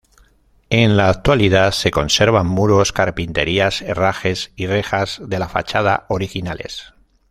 En la actualidad se conservan muros, carpinterías, herrajes y rejas de la fachada originales.